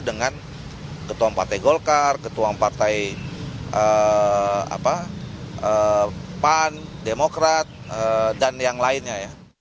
dengan ketua partai golkar ketua partai pan demokrat dan yang lainnya ya